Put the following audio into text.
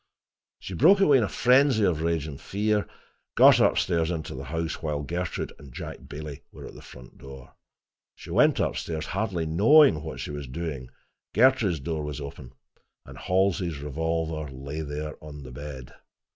She broke away in a frenzy of rage and fear, and got into the house while Gertrude and Jack Bailey were at the front door. She went up stairs, hardly knowing what she was doing. Gertrude's door was open, and Halsey's revolver lay there on the bed.